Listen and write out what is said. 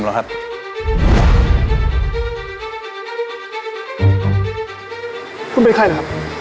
ไม่ต้องกลับมาที่นี่